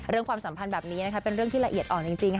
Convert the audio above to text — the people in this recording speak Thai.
ความสัมพันธ์แบบนี้เป็นเรื่องที่ละเอียดอ่อนจริง